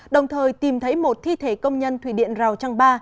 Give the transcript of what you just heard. đồng thời tìm thấy một thi thể công nhân thủy điện rào trăng ba